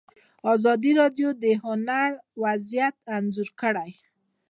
ازادي راډیو د هنر وضعیت انځور کړی.